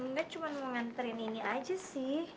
nggak cuma mau nganterin ini aja sih